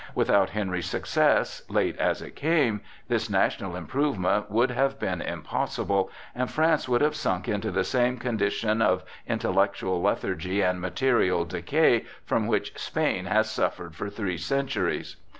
Without Henry's success, late as it came, this national improvement would have been impossible, and France would have sunk into the same condition of intellectual lethargy and material decay from which Spain has suffered for three centuries.